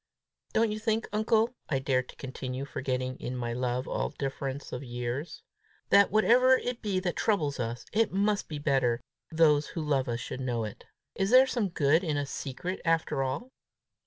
"Don't you think, uncle," I dared to continue, forgetting in my love all difference of years, "that, whatever it be that troubles us, it must be better those who love us should know it? Is there some good in a secret after all?"